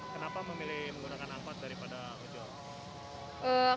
kenapa memilih menggunakan angkot daripada ujong